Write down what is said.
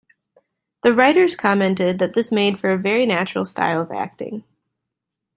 The writers commented that this made for a very natural style of acting.